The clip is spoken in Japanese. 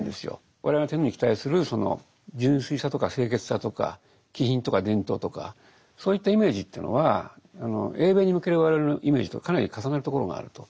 我々が天皇に期待するその純粋さとか清潔さとか気品とか伝統とかそういったイメージというのは英米に向ける我々のイメージとかなり重なるところがあると。